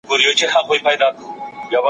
که ټیپ وي نو اتصال نه لڅیږي.